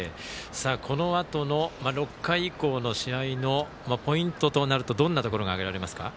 このあとの６回以降の試合のポイントとなるとどんなところが挙げられますか？